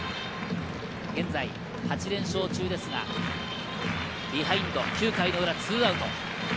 現在８連勝中ですが、ビハインド９回の裏、２アウト。